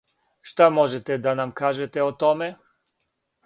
Шта можете да нам кажете о томе?